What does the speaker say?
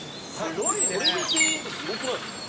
これで１，０００円ってすごくないですか？